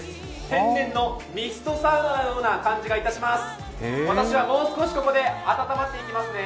天然のミストサウナのような感じがいたします。